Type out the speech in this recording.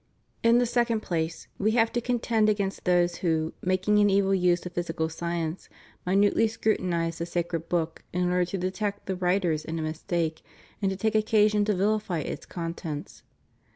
In the second place, we have to contend against those who, making an evil use of physical science, minutely scrutinize the sacred book in order to detect the writers in a mistake, and to take occasion to vihfy its contents.